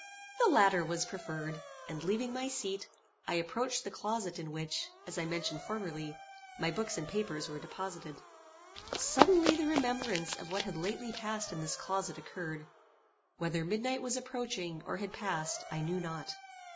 The latter was preferred, and, leaving my seat, I approached the closet in which, as I mentioned formerly, my books and papers were deposited. Suddenly the remembrance of what had lately passed in this closet occurred. Whether midnight was approaching, or had passed, I knew not.